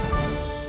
di bawah ini